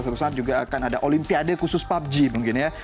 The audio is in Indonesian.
suatu saat juga akan ada olimpiade khusus pubg mungkin ya